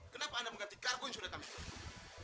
kenapa anda mengganti kargo yang sudah kami terima